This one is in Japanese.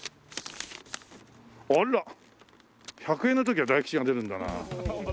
１００円の時は大吉が出るんだな。